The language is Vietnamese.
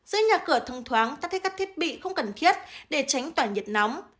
giữa nhà cửa thông thoáng ta thấy các thiết bị không cần thiết để tránh tỏa nhiệt nóng